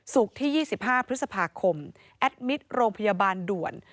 ที่๒๕พฤษภาคมแอดมิตรโรงพยาบาลด่วน